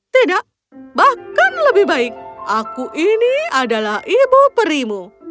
tidak bahkan lebih baik aku ini adalah ibu perimu